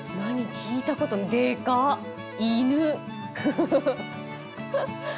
聞いたことでかっ！